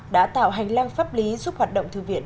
đã tạo hành lang pháp lý giúp hoạt động thư viện